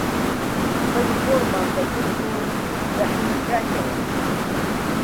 قسەی قۆڕمان دەکرد و دەحیلکاینەوە